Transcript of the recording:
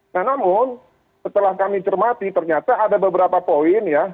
nah namun setelah kami cermati ternyata ada beberapa poin ya